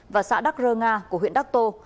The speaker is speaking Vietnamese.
và xã đắc rơ nga của huyện đắc tô